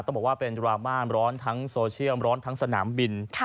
บอกว่าเป็นดราม่าร้อนทั้งโซเชียลร้อนทั้งสนามบิน